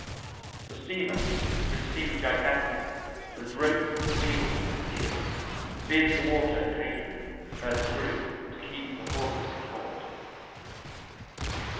The steamer, which seemed gigantic, was roped and cabled to the piers, feeling the water occasionally with her screw to keep the hawsers taut.